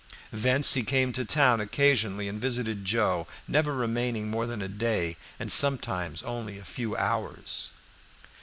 Thence he came to town occasionally and visited Joe, never remaining more than a day, and sometimes only a few hours.